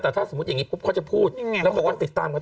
แต่ถ้าสมมุติอย่างงี้ก็จะพูดแล้วเขาก็ติดตามต่อไป